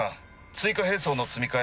追加兵装の積み替え